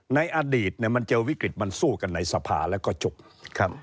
ในอดีตมันเจอวิกฤติมันสู้กันในสภาแล้วก็จุก